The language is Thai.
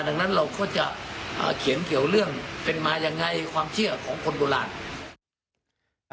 ดังนั้นเราก็จะเขียนเกี่ยวเรื่องเป็นมายังไงความเชื่อของคนโบราณ